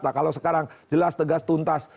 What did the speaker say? nah kalau sekarang jelas tegas tuntas